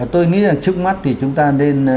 tôi nghĩ là trước mắt thì chúng ta nên